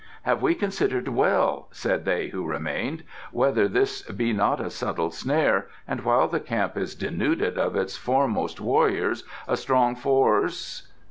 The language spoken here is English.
"Have we considered well," said they who remained, "whether this be not a subtle snare, and while the camp is denuded of its foremost warriors a strong force